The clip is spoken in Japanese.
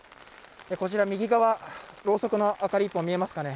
こちら、右側、ろうそくの明かり１本、見えますかね。